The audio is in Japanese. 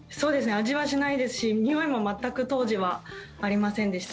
味はしないですしにおいも全く当時はありませんでした。